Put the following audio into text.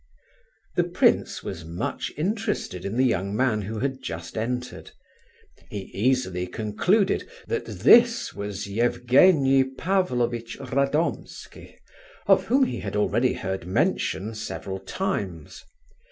The prince was much interested in the young man who had just entered. He easily concluded that this was Evgenie Pavlovitch Radomski, of whom he had already heard mention several times.